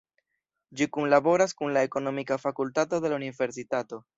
Ĝi kunlaboras kun la ekonomika fakultato de la universitato.